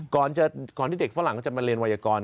ก่อนที่เด็กฝรั่งจะมาเรียนวัยกร